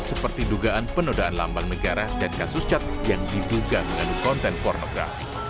seperti dugaan penodaan lambang negara dan kasus cat yang diduga mengandung konten pornografi